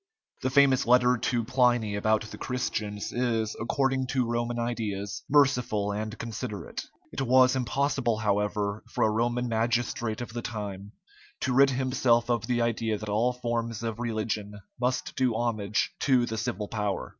The famous letter to Pliny about the Christians is, according to Roman ideas, merciful and considerate. It was impossible, however, for a Roman magistrate of the time to rid himself of the idea that all forms of religion must do homage to the civil power.